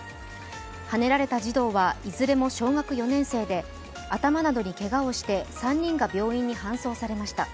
はねられた児童はいずれも小学４年生で頭などにけがをして、３人が病院に搬送されました。